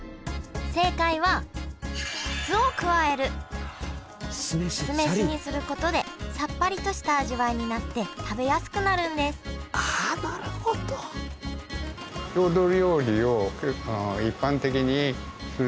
正解は酢飯にすることでさっぱりとした味わいになって食べやすくなるんですあなるほど。と思って開発しました。